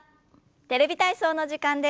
「テレビ体操」の時間です。